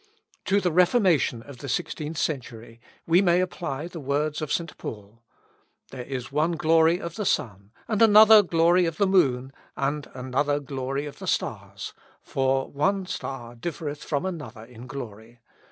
To the Reformation of the sixteenth century we may apply the words of St. Paul, "There is one glory of the sun, and another glory of the moon, and another glory of the stars; for one star differeth from another star in glory."